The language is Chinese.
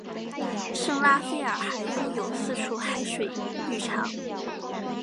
圣拉斐尔还拥有四处海水浴场。